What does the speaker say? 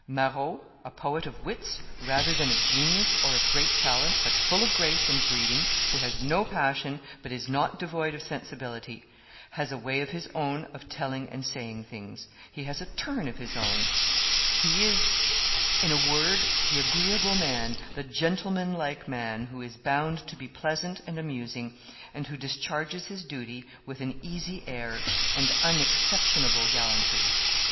... Marot, a poet of wits rather than of genius or of great talent, but full of grace and breeding, who has no passion, but is not devoid of sensibility, has a way of his own of telling and saying things; he has a turn of his own; he is, in a word, the agreeable man, the gentleman like man, who is bound to be pleasant and amusing, and who discharges his duty with an easy air and unexceptionable gallantry."